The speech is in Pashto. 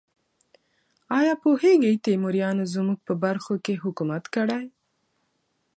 ایا پوهیږئ تیموریانو زموږ په برخو کې حکومت کړی؟